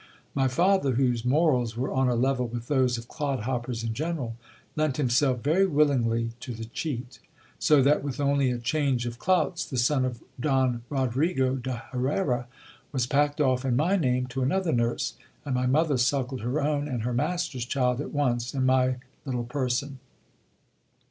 My father, whose morals were on a level with those of clodhoppers in general, lent himself very willingly to the cheat : so that with only a change of clouts the son of Don Rodrigo de Herrera was packed off in my name to another nurse, and my mother suckled her own and her master's child at once in my little person.